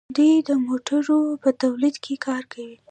دوی د موټرو په تولید کې کار کوي.